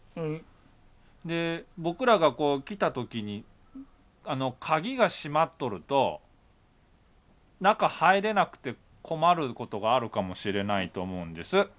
僕らがこう来た時に鍵が閉まっとると中入れなくて困ることがあるかもしれないと思うんです。